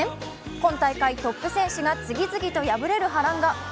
今大会トップ選手が次々と敗れる波乱が。